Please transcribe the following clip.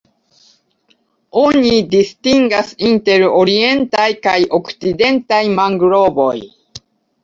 Oni distingas inter Orientaj kaj Okcidentaj mangrovoj.